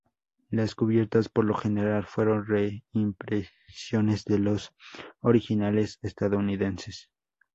Las cubiertas por lo general fueron reimpresiones de los originales estadounidenses.